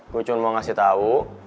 gue cuma mau ngasih tau